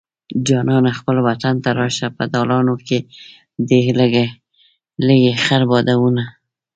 جانانه خپل وطن ته راشه په دالانونو کې دې لګي خړ بادونه